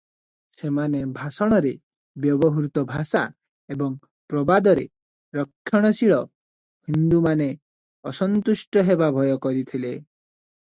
ସେମାନେ ଭାଷଣରେ ବ୍ୟବହୃତ ଭାଷା ଏବଂ ପ୍ରବାଦରେ ରକ୍ଷଣଶୀଳ ହିନ୍ଦୁମାନେ ଅସନ୍ତୁଷ୍ଟ ହେବା ଭୟ କରିଥିଲେ ।